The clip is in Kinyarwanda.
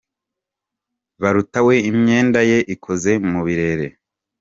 Baruta we imyenda ye ikoze mu birere.